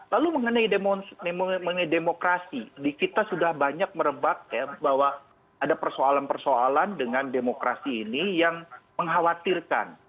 lalu mengenai demokrasi kita sudah banyak merebak ya bahwa ada persoalan persoalan dengan demokrasi ini yang mengkhawatirkan